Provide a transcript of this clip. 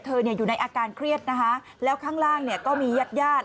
อยู่ในอาการเครียดนะคะแล้วข้างล่างเนี่ยก็มีญาติญาติ